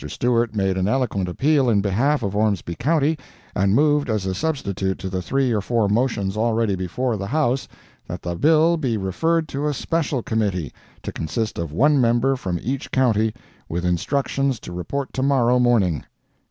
Stewart made an eloquent appeal in behalf of Ormsby county, and moved as a substitute to the three or four motions already before the House, that the bill be referred to a special committee, to consist of one member from each county, with instructions to report to morrow morning.